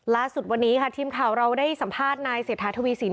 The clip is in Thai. ล่าสุดวันนี้ค่ะทีมข่าวเราได้สัมภาษณ์นายเศรษฐาทวีสิน